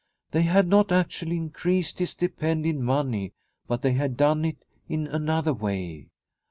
They had not actually increased his stipend in money, but they had done it in another way.